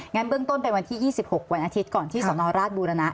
งั้นเบื้องต้นเป็นวันที่ยี่สิบหกวันอาทิตย์ก่อนที่สอนราชบูรณนา